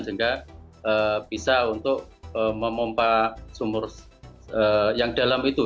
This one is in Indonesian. sehingga bisa untuk memompa sumur yang dalam itu